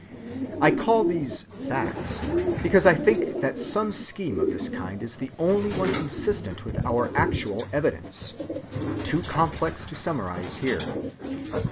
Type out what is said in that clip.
"I call these 'facts' because I think that some scheme of this kind is the only one consistent with our actual evidence; too complex to summarize here.